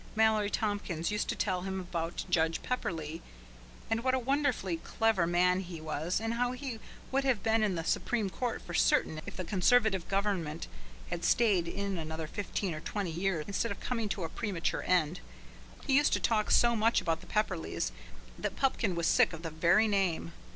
Mallory Tompkins used to tell him about Judge Pepperleigh, and what a wonderfully clever man he was and how he would have been in the Supreme Court for certain if the Conservative Government had stayed in another fifteen or twenty years instead of coming to a premature end. He used to talk so much about the Pepperleighs, that Pupkin was sick of the very name.